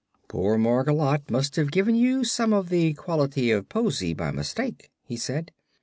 "Poor Margolotte must have given you some of the quality of poesy, by mistake," he said.